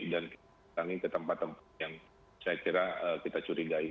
dan kita tani ke tempat tempat yang saya kira kita curigai